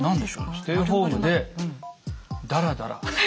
ステイホームでダラダラ？